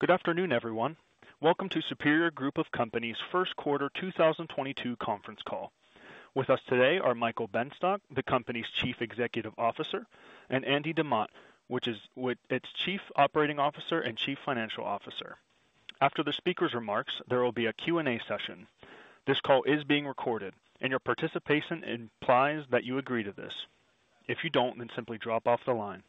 Good afternoon, everyone. Welcome to Superior Group of Companies First Quarter 2022 Conference Call. With us today are Michael Benstock, the company's Chief Executive Officer, and Andy Demott, the company's Chief Operating Officer and Chief Financial Officer. After the speaker's remarks, there will be a Q&A session. This call is being recorded, and your participation implies that you agree to this. If you don't, then simply drop off the line.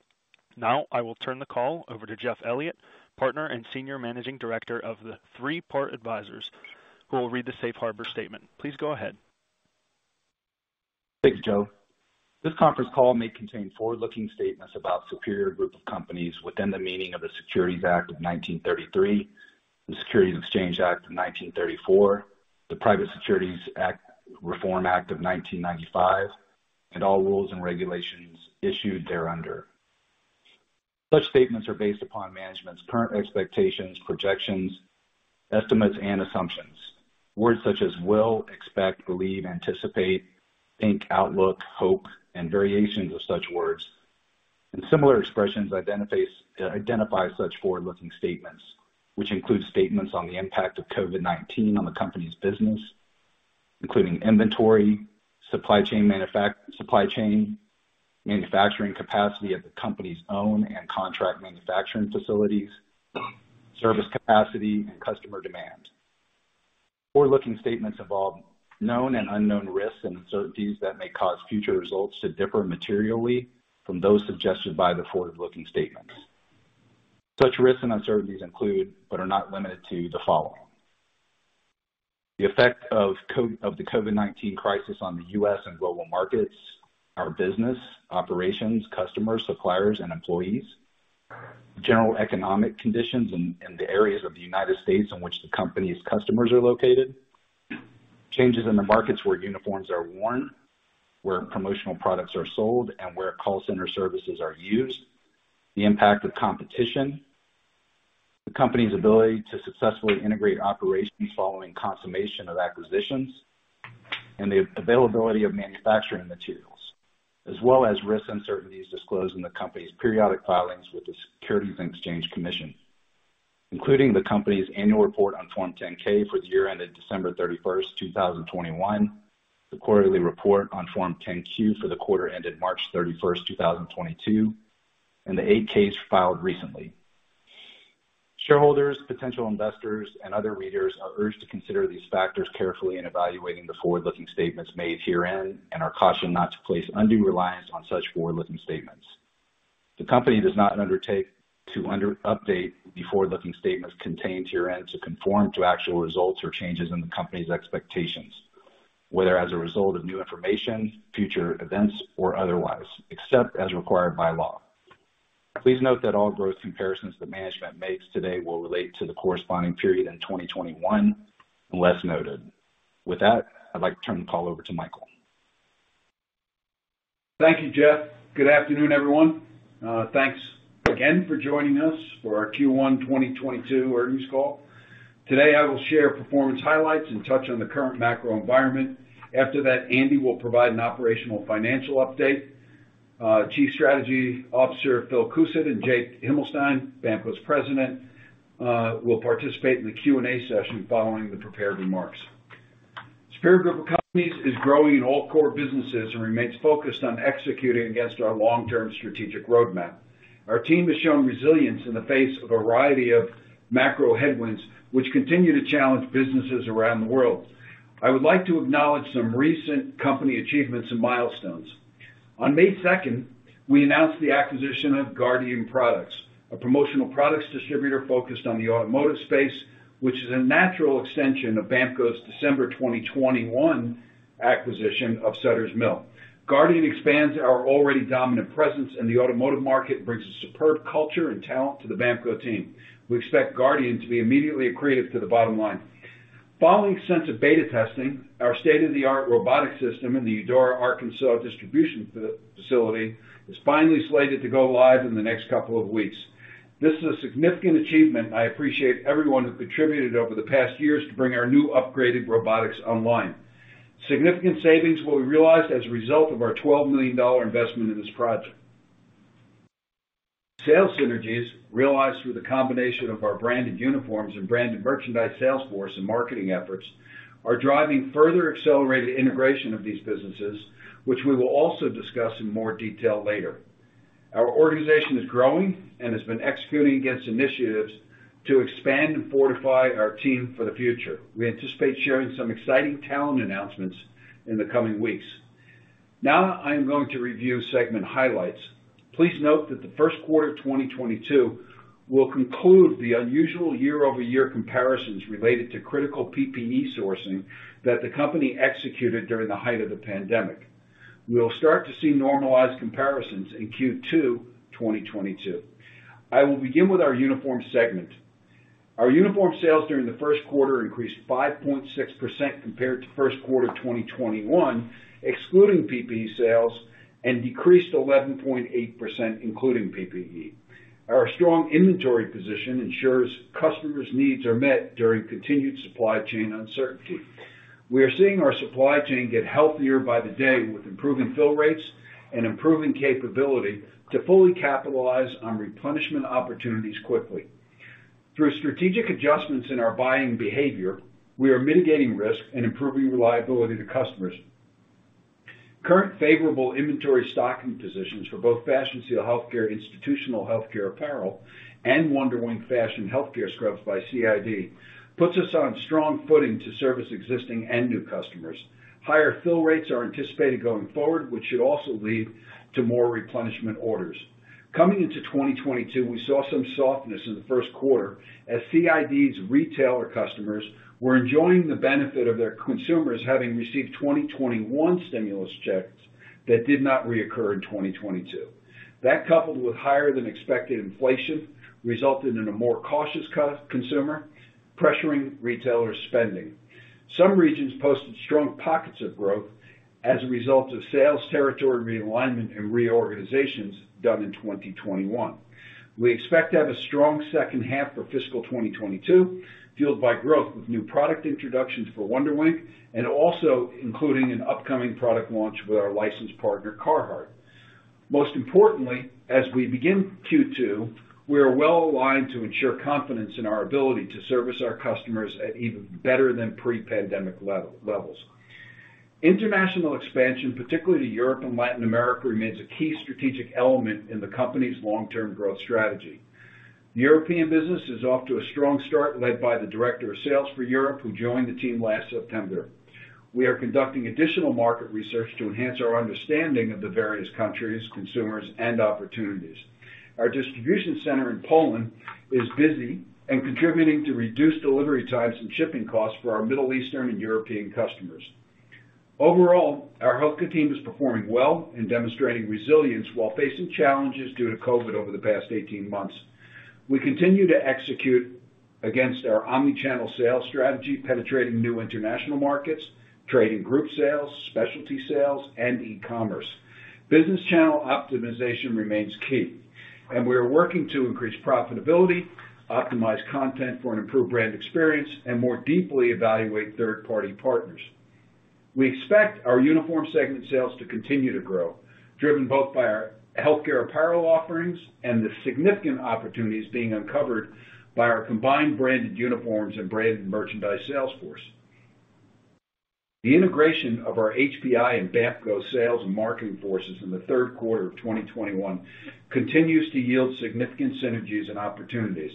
Now I will turn the call over to Jeff Elliott, Partner and Senior Managing Director of Three Part Advisors, who will read the Safe Harbor statement. Please go ahead. Thanks, Joe. This conference call may contain forward-looking statements about Superior Group of Companies within the meaning of the Securities Act of 1933, the Securities Exchange Act of 1934, the Private Securities Litigation Reform Act of 1995, and all rules and regulations issued thereunder. Such statements are based upon management's current expectations, projections, estimates, and assumptions. Words such as will, expect, believe, anticipate, think, outlook, hope, and variations of such words and similar expressions identifies such forward-looking statements, which include statements on the impact of COVID-19 on the company's business, including inventory, supply chain, manufacturing capacity of the company's own and contract manufacturing facilities, service capacity, and customer demand. Forward-looking statements involve known and unknown risks and uncertainties that may cause future results to differ materially from those suggested by the forward-looking statements. Such risks and uncertainties include, but are not limited to, the following. The effect of the COVID-19 crisis on the U.S. and global markets, our business, operations, customers, suppliers, and employees. General economic conditions in the areas of the United States in which the company's customers are located. Changes in the markets where uniforms are worn, where promotional products are sold, and where call center services are used. The impact of competition. The company's ability to successfully integrate operations following consummation of acquisitions, and the availability of manufacturing materials, as well as risks and uncertainties disclosed in the company's periodic filings with the Securities and Exchange Commission, including the company's annual report on Form 10-K for the year ended December 31st, 2021, the quarterly report on Form 10-Q for the quarter ended March 31st, 2022, and the 8-Ks filed recently. Shareholders, potential investors, and other readers are urged to consider these factors carefully in evaluating the forward-looking statements made herein and are cautioned not to place undue reliance on such forward-looking statements. The company does not undertake to update the forward-looking statements contained herein to conform to actual results or changes in the company's expectations, whether as a result of new information, future events, or otherwise, except as required by law. Please note that all growth comparisons that management makes today will relate to the corresponding period in 2021, unless noted. With that, I'd like to turn the call over to Michael. Thank you, Jeff. Good afternoon everyone. Thanks again for joining us for our Q1 2022 earnings call. Today, I will share performance highlights and touch on the current macro environment. After that, Andy will provide an operational financial update. Chief Strategy Officer Philip Koosed and Jake Himelstein, BAMKO's President, will participate in the Q&A session following the prepared remarks. Superior Group of Companies is growing in all core businesses and remains focused on executing against our long-term strategic roadmap. Our team has shown resilience in the face of a variety of macro headwinds, which continue to challenge businesses around the world. I would like to acknowledge some recent company achievements and milestones. On May 2nd, we announced the acquisition of Guardian Products, a promotional products distributor focused on the automotive space, which is a natural extension of BAMKO's December 2021 acquisition of Sutter's Mill. Guardian expands our already dominant presence in the automotive market and brings a superb culture and talent to the BAMKO team. We expect Guardian to be immediately accretive to the bottom line. Following extensive beta testing, our state-of-the-art robotic system in the Eudora, Arkansas, distribution facility is finally slated to go live in the next couple of weeks. This is a significant achievement, and I appreciate everyone who contributed over the past years to bring our new upgraded robotics online. Significant savings will be realized as a result of our $12 million investment in this project. Sales synergies realized through the combination of our branded uniforms and branded merchandise sales force and marketing efforts are driving further accelerated integration of these businesses, which we will also discuss in more detail later. Our organization is growing and has been executing against initiatives to expand and fortify our team for the future. We anticipate sharing some exciting talent announcements in the coming weeks. Now I am going to review segment highlights. Please note that the first quarter 2022 will conclude the unusual year-over-year comparisons related to critical PPE sourcing that the company executed during the height of the pandemic. We'll start to see normalized comparisons in Q2 2022. I will begin with our uniform segment. Our uniform sales during the first quarter increased 5.6% compared to first quarter 2021, excluding PPE sales, and decreased 11.8%, including PPE. Our strong inventory position ensures customers' needs are met during continued supply chain uncertainty. We are seeing our supply chain get healthier by the day with improving fill rates and improving capability to fully capitalize on replenishment opportunities quickly. Through strategic adjustments in our buying behavior, we are mitigating risk and improving reliability to customers. Current favorable inventory stocking positions for both Fashion Seal Healthcare institutional healthcare apparel and WonderWink fashion healthcare scrubs by CID puts us on strong footing to service existing and new customers. Higher fill rates are anticipated going forward, which should also lead to more replenishment orders. Coming into 2022, we saw some softness in the first quarter as CID's retailer customers were enjoying the benefit of their consumers having received 2021 stimulus checks that did not reoccur in 2022. That, coupled with higher than expected inflation, resulted in a more cautious consumer, pressuring retailer spending. Some regions posted strong pockets of growth as a result of sales territory realignment and reorganizations done in 2021. We expect to have a strong H2 for fiscal 2022, fueled by growth with new product introductions for WonderWink and also including an upcoming product launch with our licensed partner, Carhartt. Most importantly, as we begin Q2, we are well aligned to ensure confidence in our ability to service our customers at even better than pre-pandemic levels. International expansion, particularly to Europe and Latin America, remains a key strategic element in the company's long-term growth strategy. The European business is off to a strong start, led by the director of sales for Europe, who joined the team last September. We are conducting additional market research to enhance our understanding of the various countries, consumers, and opportunities. Our distribution center in Poland is busy and contributing to reduced delivery times and shipping costs for our Middle Eastern and European customers. Overall, our healthcare team is performing well and demonstrating resilience while facing challenges due to COVID over the past 18 months. We continue to execute against our omni-channel sales strategy, penetrating new international markets, trading group sales, specialty sales, and e-commerce. Business channel optimization remains key, and we are working to increase profitability, optimize content for an improved brand experience, and more deeply evaluate third-party partners. We expect our uniform segment sales to continue to grow, driven both by our healthcare apparel offerings and the significant opportunities being uncovered by our combined branded uniforms and branded merchandise sales force. The integration of our HPI and BAMKO sales and marketing forces in the third quarter of 2021 continues to yield significant synergies and opportunities.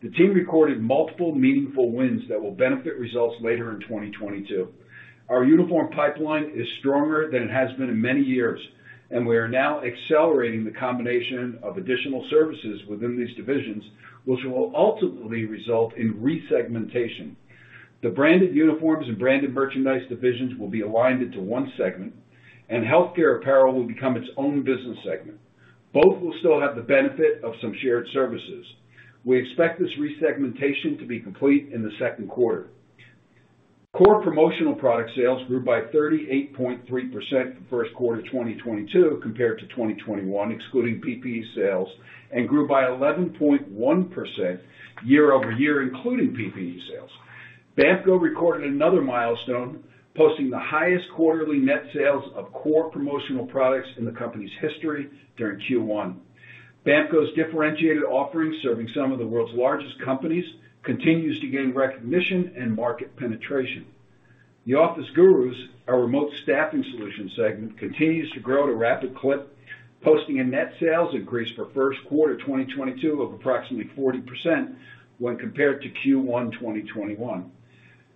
The team recorded multiple meaningful wins that will benefit results later in 2022. Our uniform pipeline is stronger than it has been in many years, and we are now accelerating the combination of additional services within these divisions, which will ultimately result in resegmentation. The branded uniforms and branded merchandise divisions will be aligned into one segment, and healthcare apparel will become its own business segment. Both will still have the benefit of some shared services. We expect this resegmentation to be complete in the second quarter. Core promotional product sales grew by 38.3% for first quarter 2022 compared to 2021, excluding PPE sales, and grew by 11.1% year-over-year, including PPE sales. BAMKO recorded another milestone, posting the highest quarterly net sales of core promotional products in the company's history during Q1. BAMKO's differentiated offerings, serving some of the world's largest companies, continues to gain recognition and market penetration. The Office Gurus, our remote staffing solution segment, continues to grow at a rapid clip, posting a net sales increase for first quarter 2022 of approximately 40% when compared to Q1 2021.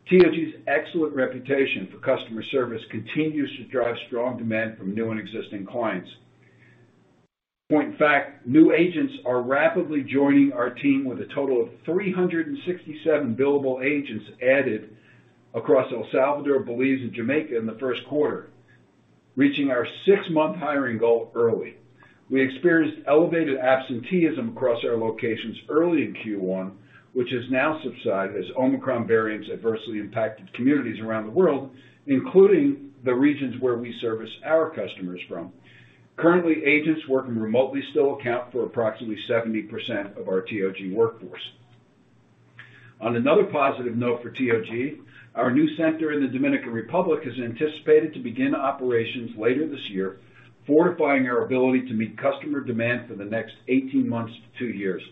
TOG's excellent reputation for customer service continues to drive strong demand from new and existing clients. In point of fact, new agents are rapidly joining our team with a total of 367 billable agents added across El Salvador, Belize, and Jamaica in the first quarter, reaching our six-month hiring goal early. We experienced elevated absenteeism across our locations early in Q1, which has now subsided as Omicron variants adversely impacted communities around the world, including the regions where we service our customers from. Currently, agents working remotely still account for approximately 70% of our TOG workforce. On another positive note for TOG, our new center in the Dominican Republic is anticipated to begin operations later this year, fortifying our ability to meet customer demand for the next 18 months to two years.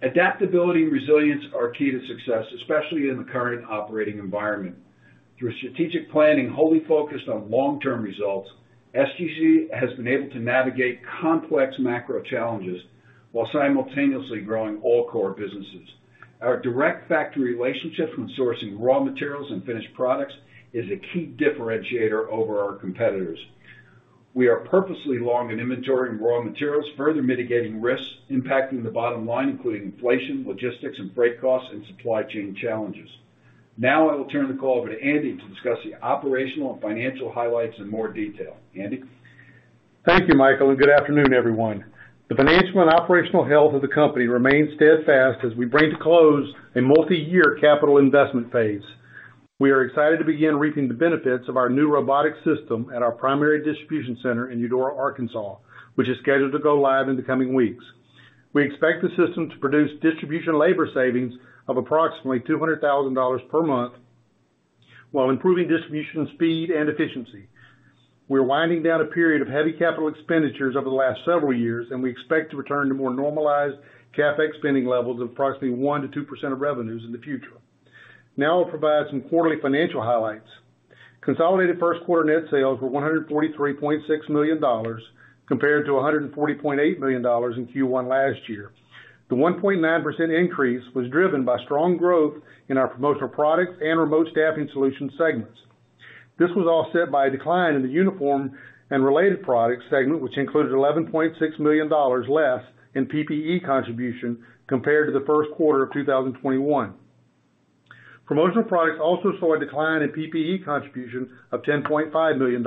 Adaptability and resilience are key to success, especially in the current operating environment. Through strategic planning wholly focused on long-term results, SGC has been able to navigate complex macro challenges while simultaneously growing all core businesses. Our direct factory relationships when sourcing raw materials and finished products is a key differentiator over our competitors. We are purposely long in inventory and raw materials, further mitigating risks impacting the bottom line, including inflation, logistics and freight costs, and supply chain challenges. Now I will turn the call over to Andy to discuss the operational and financial highlights in more detail. Andy? Thank you Michael and good afternoon everyone. The financial and operational health of the company remains steadfast as we bring to close a multi-year capital investment phase. We are excited to begin reaping the benefits of our new robotic system at our primary distribution center in Eudora, Arkansas, which is scheduled to go live in the coming weeks. We expect the system to produce distribution labor savings of approximately $200,000 per month while improving distribution speed and efficiency. We're winding down a period of heavy capital expenditures over the last several years, and we expect to return to more normalized CapEx spending levels of approximately 1%-2% of revenues in the future. Now I'll provide some quarterly financial highlights. Consolidated first quarter net sales were $143.6 million compared to $140.8 million in Q1 last year. The 1.9% increase was driven by strong growth in our promotional products and remote staffing solution segments. This was offset by a decline in the uniform and related product segment, which included $11.6 million less in PPE contribution compared to the first quarter of 2021. Promotional products also saw a decline in PPE contribution of $10.5 million.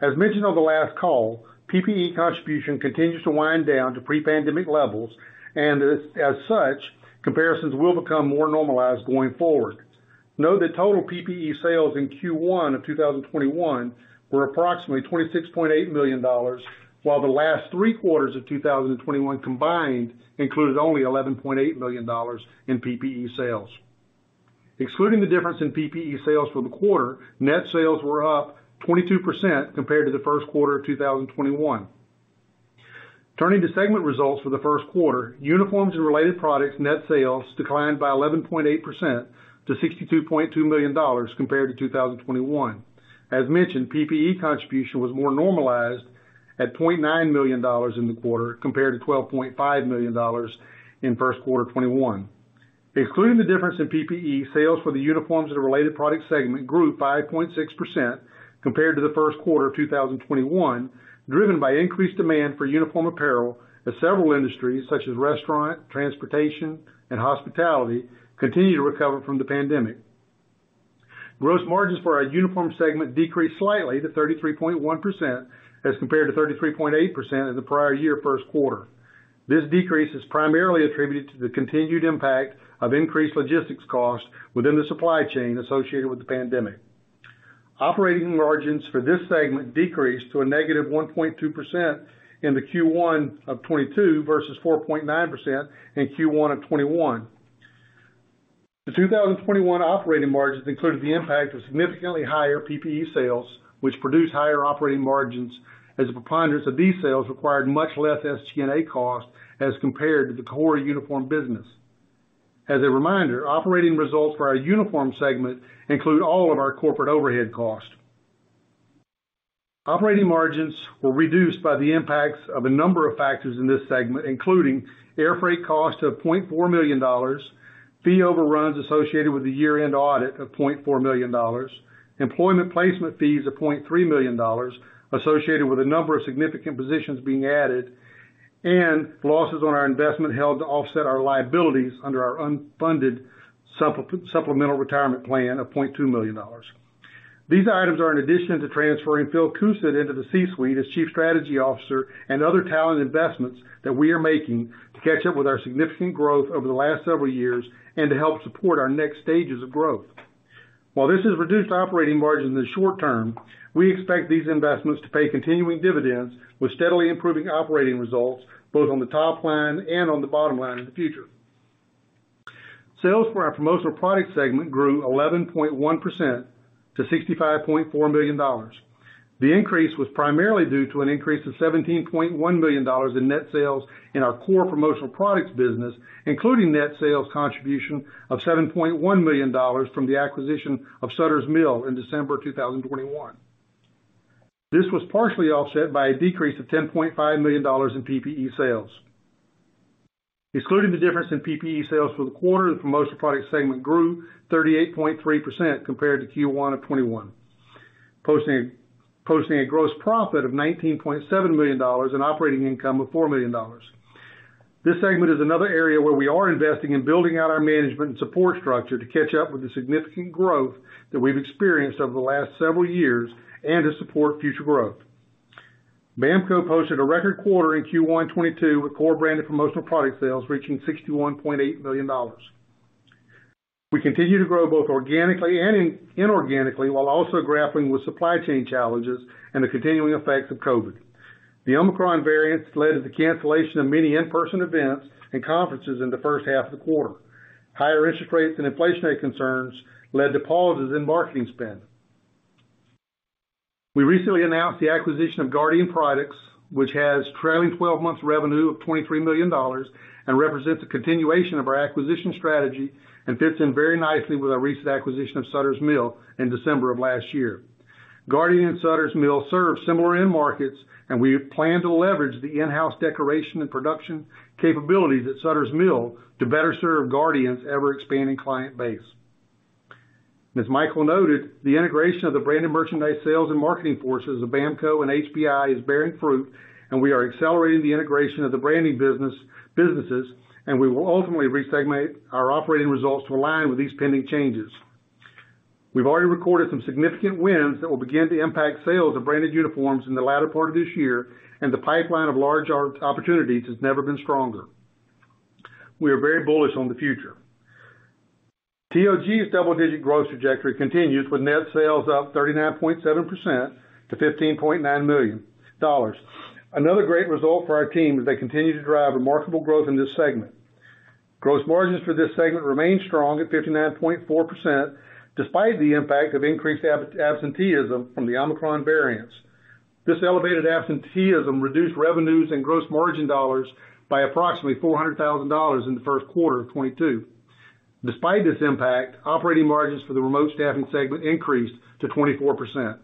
As mentioned on the last call, PPE contribution continues to wind down to pre-pandemic levels, and as such, comparisons will become more normalized going forward. Note that total PPE sales in Q1 of 2021 were approximately $26.8 million, while the last three quarters of 2021 combined included only $11.8 million in PPE sales. Excluding the difference in PPE sales for the quarter, net sales were up 22% compared to the first quarter of 2021. Turning to segment results for the first quarter, uniforms and related products net sales declined by 11.8% to $62.2 million compared to 2021. As mentioned, PPE contribution was more normalized at $0.9 million in the quarter compared to $12.5 million in first quarter 2021. Excluding the difference in PPE, sales for the uniforms and related product segment grew 5.6% compared to the first quarter of 2021, driven by increased demand for uniform apparel as several industries, such as restaurant, transportation, and hospitality, continue to recover from the pandemic. Gross margins for our uniform segment decreased slightly to 33.1% as compared to 33.8% in the prior year first quarter. This decrease is primarily attributed to the continued impact of increased logistics costs within the supply chain associated with the pandemic. Operating margins for this segment decreased to -1.2% in Q1 of 2022 versus 4.9% in Q1 of 2021. The 2021 operating margins included the impact of significantly higher PPE sales, which produce higher operating margins as the preponderance of these sales required much less SG&A costs as compared to the core uniform business. As a reminder, operating results for our uniform segment include all of our corporate overhead costs. Operating margins were reduced by the impacts of a number of factors in this segment, including air freight costs of $0.4 million, fee overruns associated with the year-end audit of $0.4 million, employment placement fees of $0.3 million associated with a number of significant positions being added, and losses on our investment held to offset our liabilities under our unfunded supplemental retirement plan of $0.2 million. These items are in addition to transferring Philip Koosed into the C-suite as Chief Strategy Officer and other talent investments that we are making to catch up with our significant growth over the last several years and to help support our next stages of growth. While this has reduced operating margin in the short term, we expect these investments to pay continuing dividends with steadily improving operating results, both on the top line and on the bottom line in the future. Sales for our promotional product segment grew 11.1% to $65.4 million. The increase was primarily due to an increase of $17.1 million in net sales in our core promotional products business, including net sales contribution of $7.1 million from the acquisition of Sutter's Mill Specialties in December of 2021. This was partially offset by a decrease of $10.5 million in PPE sales. Excluding the difference in PPE sales for the quarter, the promotional products segment grew 38.3% compared to Q1 of 2021, posting a gross profit of $19.7 million and operating income of $4 million. This segment is another area where we are investing in building out our management and support structure to catch up with the significant growth that we've experienced over the last several years and to support future growth. BAMKO posted a record quarter in Q1 2022 with core branded promotional product sales reaching $61.8 million. We continue to grow both organically and inorganically, while also grappling with supply chain challenges and the continuing effects of COVID. The Omicron variant has led to the cancellation of many in-person events and conferences in the H1 of the quarter. Higher interest rates and inflationary concerns led to pauses in marketing spend. We recently announced the acquisition of Guardian Products, which has trailing twelve months revenue of $23 million and represents a continuation of our acquisition strategy and fits in very nicely with our recent acquisition of Sutter's Mill in December of last year. Guardian and Sutter's Mill serve similar end markets, and we plan to leverage the in-house decoration and production capabilities at Sutter's Mill to better serve Guardian's ever-expanding client base. As Michael noted, the integration of the brand and merchandise sales and marketing forces of BAMKO and HPI is bearing fruit, and we are accelerating the integration of the branding businesses, and we will ultimately resegment our operating results to align with these pending changes. We've already recorded some significant wins that will begin to impact sales of branded uniforms in the latter part of this year, and the pipeline of large opportunities has never been stronger. We are very bullish on the future. The Office Gurus's double-digit growth trajectory continues with net sales up 39.7% to $15.9 million. Another great result for our team as they continue to drive remarkable growth in this segment. Gross margins for this segment remain strong at 59.4% despite the impact of increased absenteeism from the Omicron variants. This elevated absenteeism reduced revenues and gross margin dollars by approximately $400,000 in the first quarter of 2022. Despite this impact, operating margins for the remote staffing segment increased to 24%.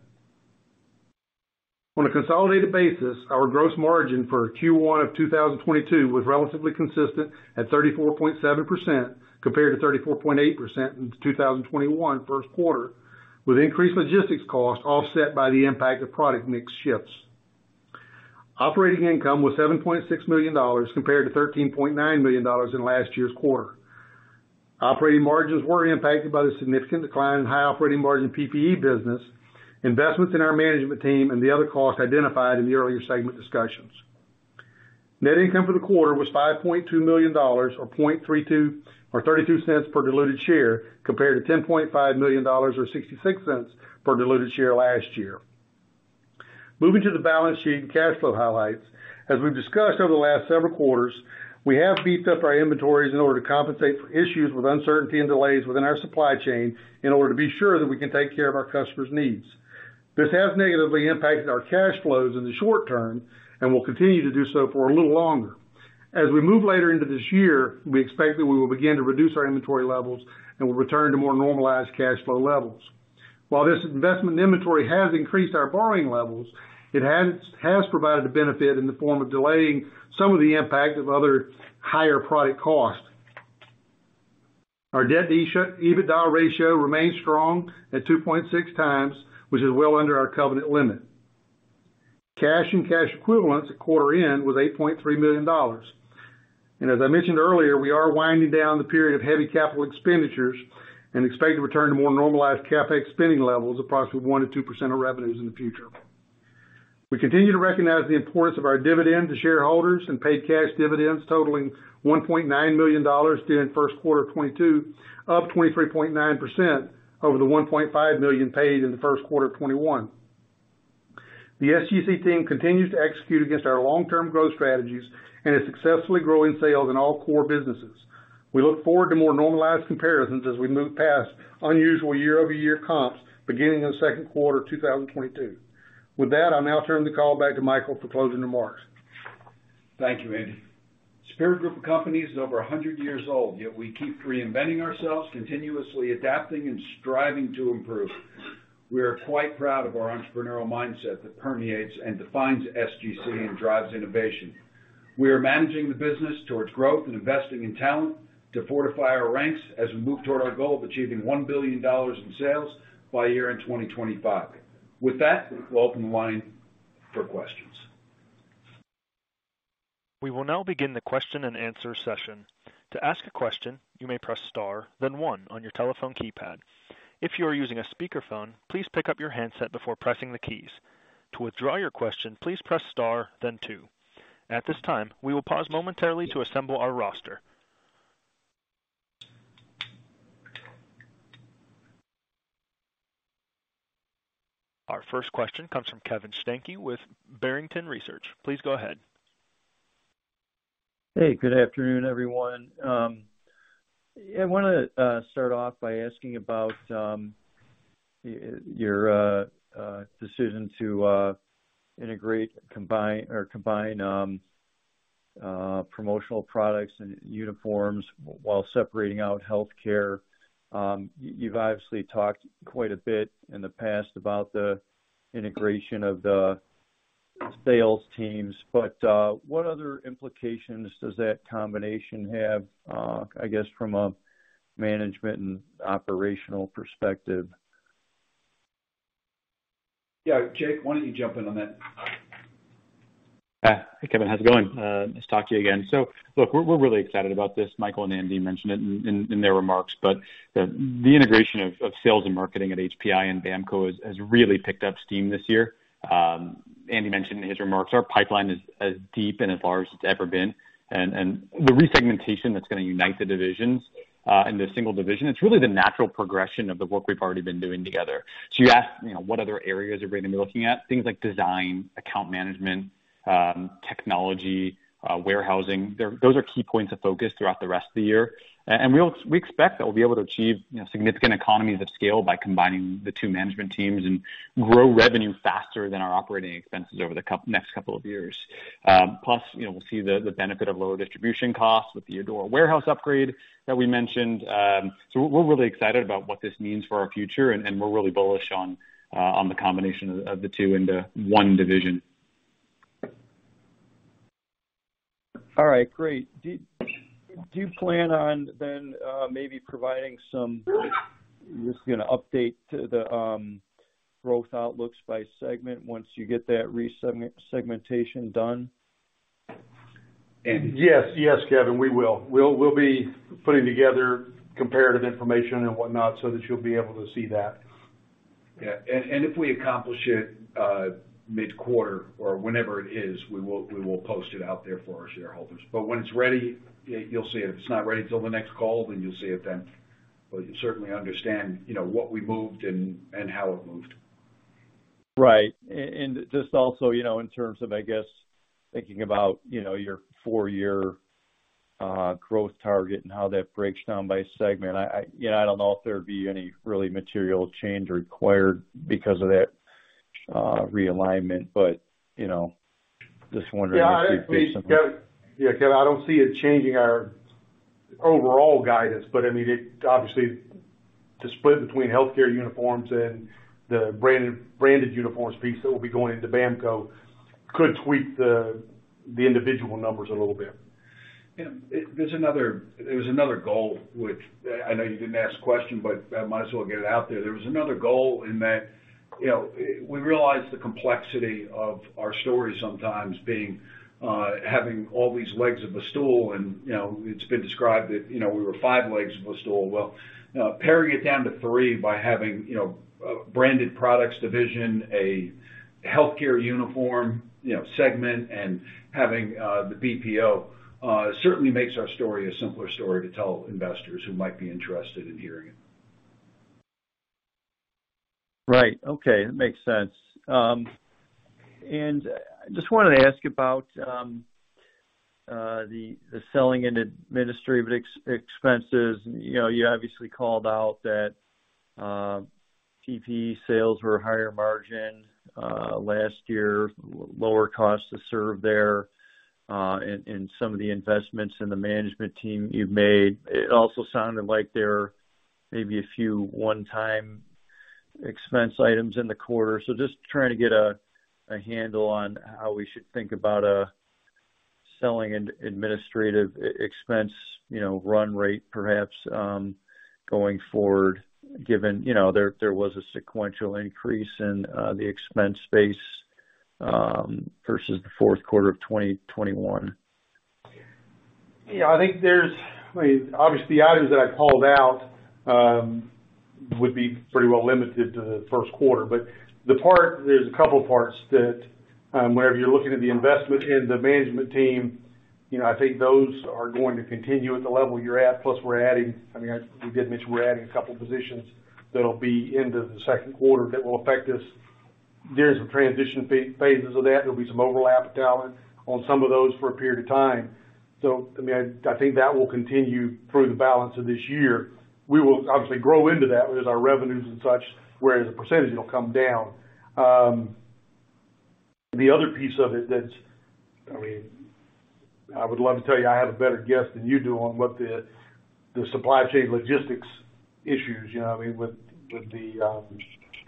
On a consolidated basis, our gross margin for Q1 of 2022 was relatively consistent at 34.7% compared to 34.8% in the 2021 first quarter, with increased logistics costs offset by the impact of product mix shifts. Operating income was $7.6 million compared to $13.9 million in last year's quarter. Operating margins were impacted by the significant decline in high operating margin PPE business, investments in our management team, and the other costs identified in the earlier segment discussions. Net income for the quarter was $5.2 million or $0.66 Per diluted share, compared to $10.5 million or $0.66 Per diluted share last year. Moving to the balance sheet and cash flow highlights. As we've discussed over the last several quarters, we have beefed up our inventories in order to compensate for issues with uncertainty and delays within our supply chain in order to be sure that we can take care of our customers' needs. This has negatively impacted our cash flows in the short term and will continue to do so for a little longer. As we move later into this year, we expect that we will begin to reduce our inventory levels and will return to more normalized cash flow levels. While this investment in inventory has increased our borrowing levels, it has provided a benefit in the form of delaying some of the impact of other higher product costs. Our debt to EBITDA ratio remains strong at 2.6x times, which is well under our covenant limit. Cash and cash equivalents at quarter end was $8.3 million. As I mentioned earlier, we are winding down the period of heavy capital expenditures and expect to return to more normalized CapEx spending levels, approximately 1%-2% of revenues in the future. We continue to recognize the importance of our dividend to shareholders and paid cash dividends totaling $1.9 million during first quarter of 2022, up 23.9% over the $1.5 million paid in the first quarter of 2021. The SGC team continues to execute against our long-term growth strategies and is successfully growing sales in all core businesses. We look forward to more normalized comparisons as we move past unusual year-over-year comps beginning in the second quarter of 2022. With that, I'll now turn the call back to Michael for closing remarks. Thank you, Andy. Superior Group of Companies is over 100 years old, yet we keep reinventing ourselves, continuously adapting and striving to improve. We are quite proud of our entrepreneurial mindset that permeates and defines SGC and drives innovation. We are managing the business towards growth and investing in talent to fortify our ranks as we move toward our goal of achieving $1 billion in sales by year-end 2025. With that, we'll open the line for questions. We will now begin the question-and-answer session. To ask a question, you may press star, then one on your telephone keypad. If you are using a speakerphone, please pick up your handset before pressing the keys. To withdraw your question, please press star, then two. At this time, we will pause momentarily to assemble our roster. Our first question comes from Kevin Steinke with Barrington Research. Please go ahead. Hey, good afternoon everyone. Yeah, I wanna start off by asking about your decision to integrate, combine promotional products and uniforms while separating out healthcare. You've obviously talked quite a bit in the past about the integration of the sales teams, but what other implications does that combination have, I guess from a management and operational perspective? Yeah. Jake, why don't you jump in on that? Yeah. Hey, Kevin, how's it going? Nice to talk to you again. Look, we're really excited about this. Michael and Andy mentioned it in their remarks, but the integration of sales and marketing at HPI and BAMKO has really picked up steam this year. Andy mentioned in his remarks, our pipeline is as deep and as large as it's ever been. The resegmentation that's gonna unite the divisions into a single division. It's really the natural progression of the work we've already been doing together. You asked, you know, what other areas are we gonna be looking at? Things like design, account management, technology, warehousing. Those are key points of focus throughout the rest of the year. We expect that we'll be able to achieve, you know, significant economies of scale by combining the two management teams and grow revenue faster than our operating expenses over the next couple of years. Plus, you know, we'll see the benefit of lower distribution costs with the Eudora warehouse upgrade that we mentioned. We're really excited about what this means for our future, and we're really bullish on the combination of the two into one division. All right. Great. Do you plan on then maybe providing some update to the growth outlooks by segment once you get that resegmentation done? Andy? Yes. Yes, Kevin. We will. We'll be putting together comparative information and whatnot so that you'll be able to see that. If we accomplish it mid-quarter or whenever it is, we will post it out there for our shareholders. When it's ready, you'll see it. If it's not ready till the next call, then you'll see it then. You certainly understand, you know, what we moved and how it moved. Right. Just also, you know, in terms of, I guess, thinking about, you know, your four-year growth target and how that breaks down by segment. You know, I don't know if there'd be any really material change required because of that realignment, but, you know, just wondering if you'd say something. Yeah, Kevin, I don't see it changing our overall guidance, but I mean, it obviously, the split between healthcare uniforms and the branded uniforms piece that will be going into BAMKO could tweak the individual numbers a little bit. There's another goal which, I know you didn't ask the question, but I might as well get it out there. There was another goal in that, you know, we realized the complexity of our story sometimes being, having all these legs of a stool and, you know, it's been described that, you know, we were five legs of a stool. Well, paring it down to three by having, you know, the branded products division, a healthcare uniform, you know, segment and having, the BPO, certainly makes our story a simpler story to tell investors who might be interested in hearing it. Right. Okay. That makes sense. Just wanted to ask about the selling and administrative expenses. You know, you obviously called out that PPE sales were higher margin last year, lower cost to serve there, and some of the investments in the management team you've made. It also sounded like there may be a few one-time expense items in the quarter. Just trying to get a handle on how we should think about selling and administrative expense, you know, run rate, perhaps going forward, given you know, there was a sequential increase in the expense base versus the fourth quarter of 2021. Yeah, I think there is. I mean, obviously, the items that I called out would be pretty well limited to the first quarter. There is a couple of parts that, whenever you are looking at the investment in the management team, you know, I think those are going to continue at the level you are at, plus we are adding. I mean, we did mention we are adding a couple of positions that will be into the second quarter that will affect us. There is some transition phases of that. There will be some overlap of talent on some of those for a period of time. I mean, I think that will continue through the balance of this year. We will obviously grow into that with our revenues and such, whereas the percentage will come down. The other piece of it. I mean, I would love to tell you I have a better guess than you do on what the supply chain logistics issues, you know, I mean, with the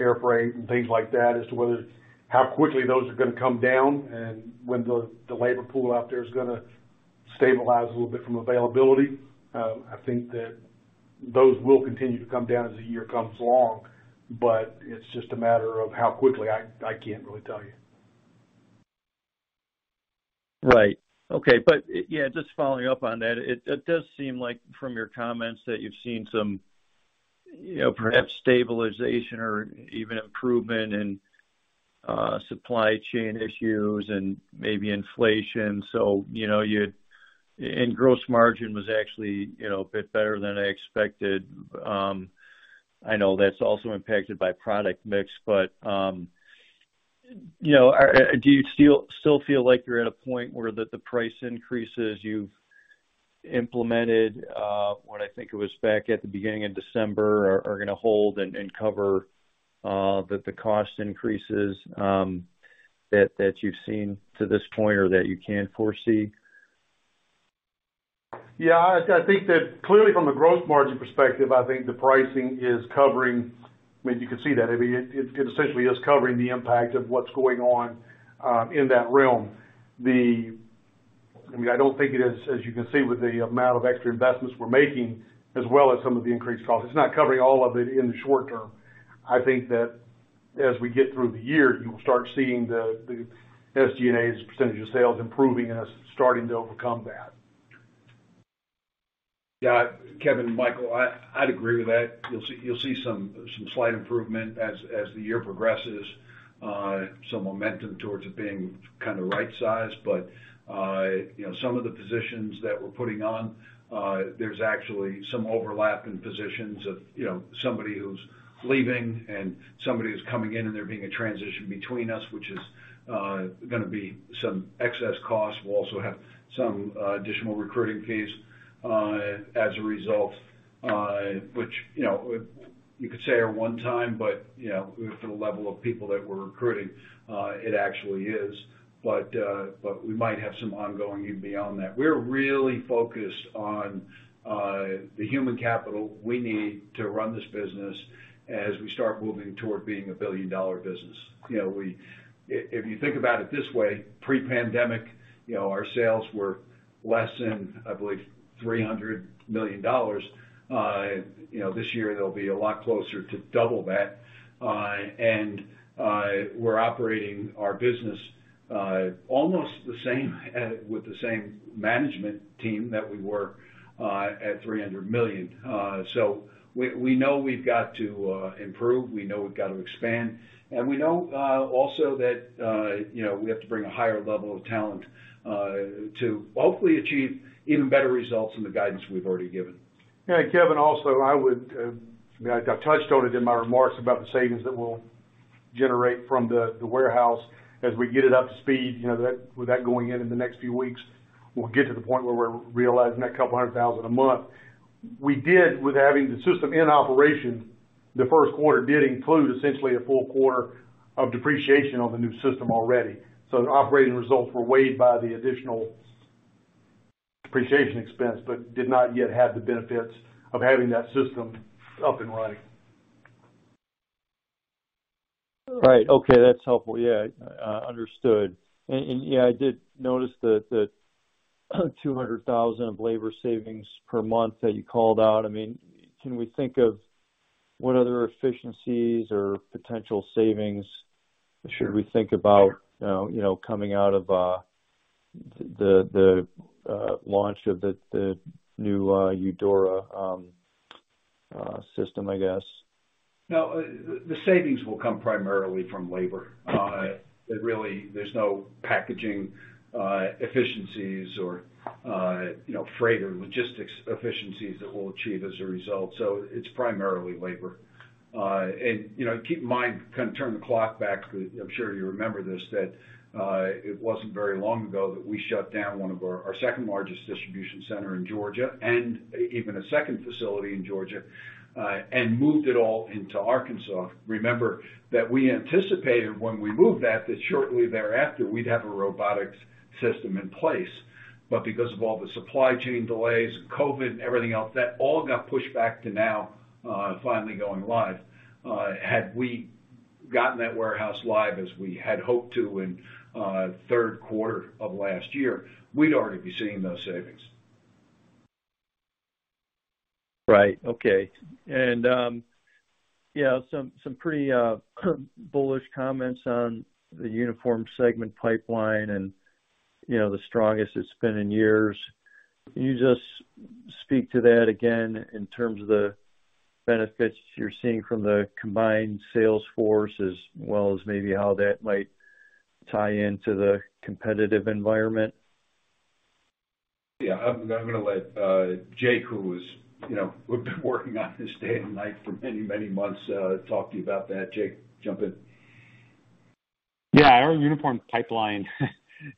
air freight and things like that as to whether how quickly those are gonna come down and when the labor pool out there is gonna stabilize a little bit from availability. I think that those will continue to come down as the year comes along, but it's just a matter of how quickly. I can't really tell you. Right. Okay. Yeah, just following up on that, it does seem like from your comments that you've seen some, you know, perhaps stabilization or even improvement in supply chain issues and maybe inflation. You know, gross margin was actually, you know, a bit better than I expected. I know that's also impacted by product mix, but, you know, do you still feel like you're at a point where the price increases you've implemented, what I think it was back at the beginning of December, are gonna hold and cover the cost increases that you've seen to this point or that you can foresee? Yeah, I think that clearly from a gross margin perspective, I think the pricing is covering. I mean, you can see that. I mean, it essentially is covering the impact of what's going on in that realm. I mean, I don't think it is, as you can see with the amount of extra investments we're making, as well as some of the increased costs, it's not covering all of it in the short term. I think that as we get through the year, you will start seeing the SG&A's percentage of sales improving and us starting to overcome that. Yeah, Kevin, Michael, I'd agree with that. You'll see some slight improvement as the year progresses, some momentum towards it being kind of right-sized. You know, some of the positions that we're putting on, there's actually some overlap in positions of you know, somebody who's leaving and somebody who's coming in and there being a transition between us, which is gonna be some excess costs. We'll also have some additional recruiting fees as a result, which you know, you could say are one time, but you know, for the level of people that we're recruiting, it actually is. We might have some ongoing even beyond that. We're really focused on the human capital we need to run this business as we start moving toward being a billion-dollar business. You know, if you think about it this way, pre-pandemic. You know, our sales were less than, I believe, $300 million. You know, this year they'll be a lot closer to double that. We're operating our business almost the same with the same management team that we were at $300 million. So we know we've got to improve, we know we've got to expand, and we know also that you know, we have to bring a higher level of talent to hopefully achieve even better results than the guidance we've already given. Yeah, Kevin, also, I would, you know, I touched on it in my remarks about the savings that we'll generate from the warehouse as we get it up to speed. You know, with that going in in the next few weeks, we'll get to the point where we're realizing $200,000 a month with the system in operation. The first quarter did include essentially a full quarter of depreciation on the new system already. So the operating results were weighed by the additional depreciation expense, but did not yet have the benefits of having that system up and running. Right. Okay, that's helpful. Yeah, I understood. Yeah, I did notice that $200,000 of labor savings per month that you called out. I mean, can we think of what other efficiencies or potential savings should we think about, you know, coming out of the launch of the new Eudora system, I guess? No. The savings will come primarily from labor. There's no packaging efficiencies or, you know, freight or logistics efficiencies that we'll achieve as a result. It's primarily labor. You know, keep in mind, kind of turn the clock back to, I'm sure you remember this, that it wasn't very long ago that we shut down one of our second largest distribution center in Georgia and even a second facility in Georgia, and moved it all into Arkansas. Remember that we anticipated when we moved that shortly thereafter, we'd have a robotics system in place. Because of all the supply chain delays, COVID, and everything else, that all got pushed back to now, finally going live. Had we gotten that warehouse live as we had hoped to in third quarter of last year, we'd already be seeing those savings. Right. Okay. Yeah, some pretty bullish comments on the uniform segment pipeline and, you know, the strongest it's been in years. Can you just speak to that again in terms of the benefits you're seeing from the combined sales force as well as maybe how that might tie into the competitive environment? Yeah. I'm gonna let Jake, who you know have been working on this day and night for many months, talk to you about that. Jake, jump in. Yeah. Our uniform pipeline,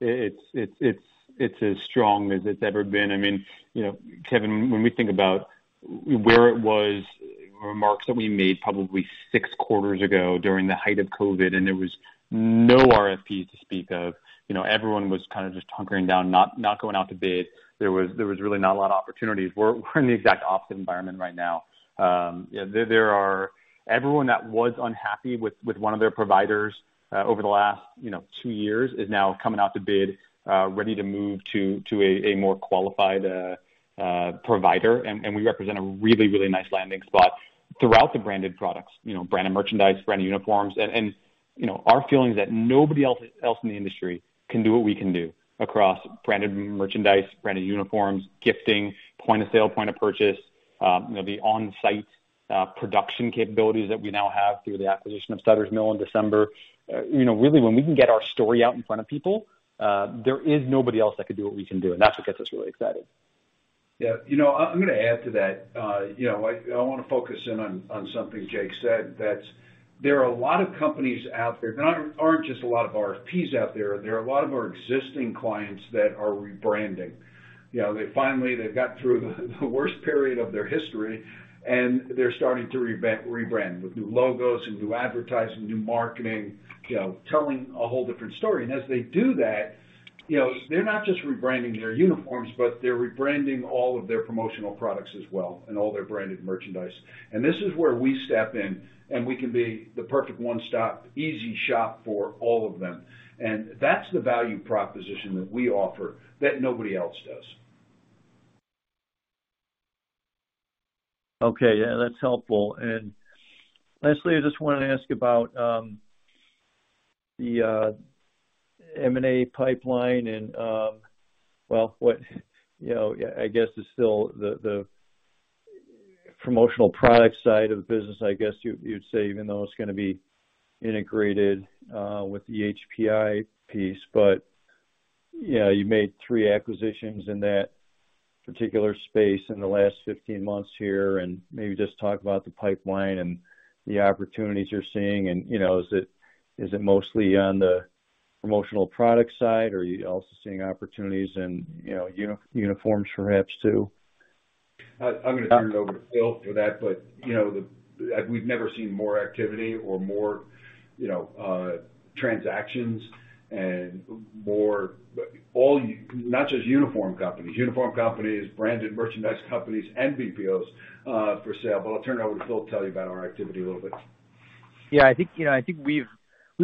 it's as strong as it's ever been. I mean, you know, Kevin, when we think about where it was, remarks that we made probably six quarters ago during the height of COVID, and there was no RFPs to speak of, you know, everyone was kind of just hunkering down, not going out to bid. There was really not a lot of opportunities. We're in the exact opposite environment right now. Everyone that was unhappy with one of their providers over the last, you know, two years is now coming out to bid, ready to move to a more qualified provider. We represent a really nice landing spot throughout the branded products, you know, branded merchandise, branded uniforms. You know, our feeling is that nobody else in the industry can do what we can do across branded merchandise, branded uniforms, gifting, point of sale, point of purchase, you know, the on-site production capabilities that we now have through the acquisition of Sutter's Mill Specialties in December. You know, really, when we can get our story out in front of people, there is nobody else that could do what we can do, and that's what gets us really excited. Yeah. You know, I'm gonna add to that. You know, I wanna focus in on something Jake said, that there are a lot of companies out there. There aren't just a lot of RFPs out there. There are a lot of our existing clients that are rebranding. You know, they've got through the worst period of their history, and they're starting to rebrand with new logos and new advertising, new marketing, you know, telling a whole different story. As they do that, you know, they're not just rebranding their uniforms, but they're rebranding all of their promotional products as well and all their branded merchandise. This is where we step in, and we can be the perfect one-stop, easy shop for all of them. That's the value proposition that we offer that nobody else does. Okay. Yeah, that's helpful. Lastly, I just wanted to ask about the M&A pipeline and, well, what, you know, I guess is still the promotional product side of the business, I guess, you'd say, even though it's gonna be integrated with the HPI piece. Yeah, you made three acquisitions in that particular space in the last 15 months here, and maybe just talk about the pipeline and the opportunities you're seeing. You know, is it mostly on the promotional product side, or are you also seeing opportunities in, you know, uniforms perhaps too? I'm gonna turn it over to Phil for that. You know, we've never seen more activity or more, you know, transactions. Not just uniform companies, branded merchandise companies, and BPOs for sale. I'll turn it over to Phil to tell you about our activity a little bit. Yeah, I think, you know, I think we've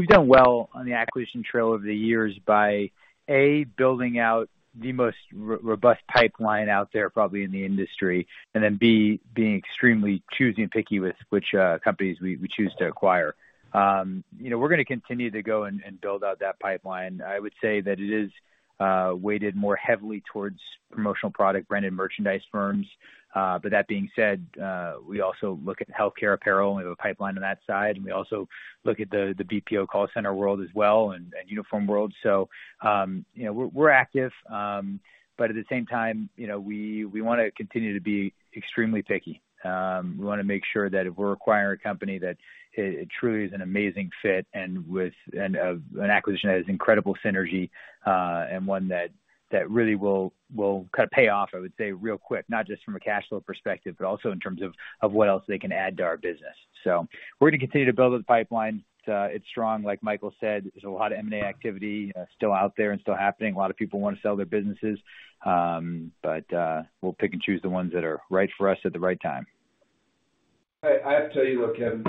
done well on the acquisition trail over the years by, A, building out the most robust pipeline out there, probably in the industry, and then, B, being extremely choosy and picky with which companies we choose to acquire. You know, we're gonna continue to go and build out that pipeline. I would say that it is weighted more heavily towards promotional product branded merchandise firms. But that being said, we also look at healthcare apparel. We have a pipeline on that side, and we also look at the BPO call center world as well and uniform world. You know, we're active, but at the same time, you know, we wanna continue to be extremely picky. We wanna make sure that if we're acquiring a company that it truly is an amazing fit and of an acquisition that has incredible synergy, and one that really will kind of pay off, I would say, real quick, not just from a cash flow perspective, but also in terms of what else they can add to our business. We're gonna continue to build those pipelines. It's strong. Like Michael said, there's a lot of M&A activity still out there and still happening. A lot of people wanna sell their businesses. We'll pick and choose the ones that are right for us at the right time. I have to tell you, Kevin,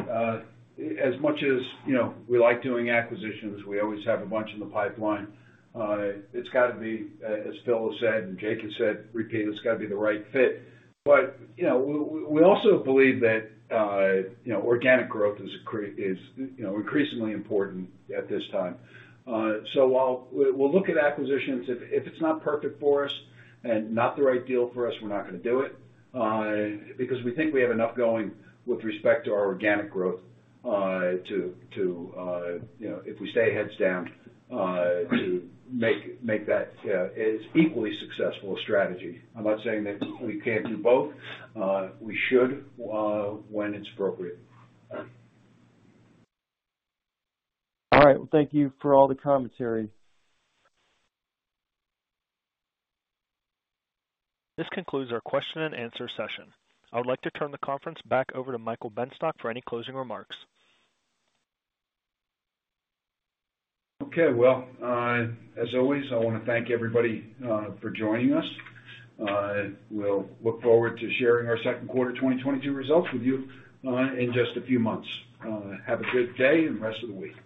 as much as you know we like doing acquisitions, we always have a bunch in the pipeline. It's gotta be, as Phil has said and Jake has said, the right fit. We also believe that you know organic growth is increasingly important at this time. While we'll look at acquisitions, if it's not perfect for us and not the right deal for us, we're not gonna do it, because we think we have enough going with respect to our organic growth, to you know if we stay heads down, to make that as equally successful a strategy. I'm not saying that we can't do both. We should, when it's appropriate. All right. Well, thank you for all the commentary. This concludes our question and answer session. I would like to turn the conference back over to Michael Benstock for any closing remarks. Okay. Well, as always, I wanna thank everybody for joining us. We'll look forward to sharing our second quarter 2022 results with you in just a few months. Have a good day and rest of the week.